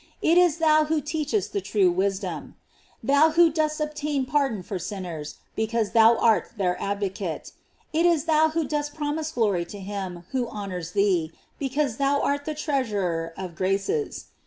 It is thou who feachest true wisdom; thou who dost obtain par don for sinners, because thou art their advocate. It is thou who dost promise glory to him who honors thee, because * bou art the treasurer of graces.